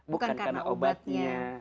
bukan karena obatnya